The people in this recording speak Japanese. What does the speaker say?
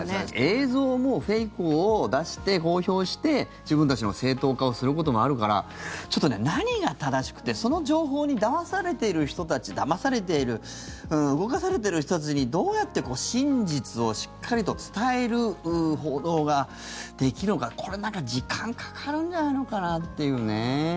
映像もフェイクを出して公表して自分たちの正当化をすることもあるから何が正しくてその情報にだまされている人たちだまされている動かされている人たちにどうやって真実をしっかりと伝える報道ができるのかこれ、時間かかるんじゃないのかなという。